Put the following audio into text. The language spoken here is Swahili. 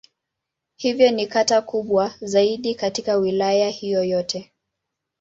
Hivyo ni kata kubwa zaidi katika Wilaya hiyo yote.